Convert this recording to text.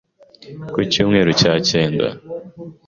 ku Icyumweru cya kenda